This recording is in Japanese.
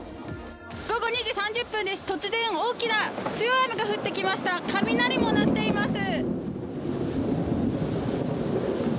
午後２時３０分です、突然強い雨が降ってきました雷も鳴っています。